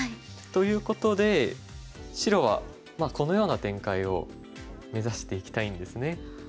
ということで白はこのような展開を目指していきたいんですね。